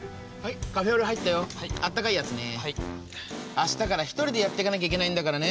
あしたからひとりでやってかなきゃいけないんだからね。